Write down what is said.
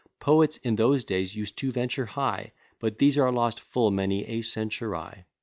Poets, in those days, used to venture high; But these are lost full many a century.